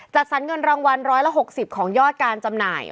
จัดสรรเงินรางวัล๑๖๐ของยอดการจำหน่าย